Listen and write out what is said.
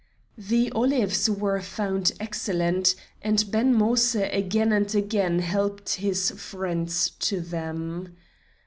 The olives were found excellent, and Ben Moïse again and again helped his friends to them.